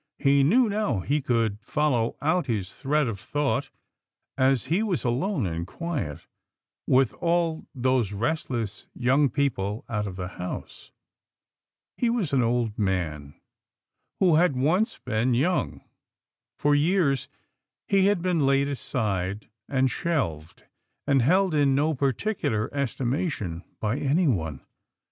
He knew now — he could follow out his thread of thought as he was alone and quiet, with all those restless young people out of the house. He was an old man who had once been young. For years he had been laid aside and shelved, and held in no particular estimation by anyone.